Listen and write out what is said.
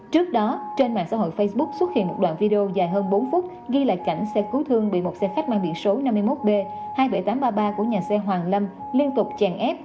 trước đó trên mạng xã hội facebook xuất hiện một đoạn video dài hơn bốn phút ghi lại cảnh xe cứu thương bị một xe khách mang biển số năm mươi một b hai mươi bảy nghìn tám trăm ba mươi ba của nhà xe hoàng lâm liên tục chèn ép